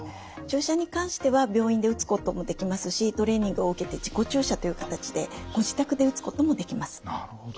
注射に関しては病院で打つこともできますしトレーニングを受けて自己注射という形でご自宅で打つこともできます。